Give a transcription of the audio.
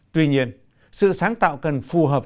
tuy nhiên sự sáng tạo cần phù hợp